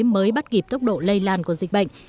mới bắt kịp tốc độ lây lan của dịch bệnh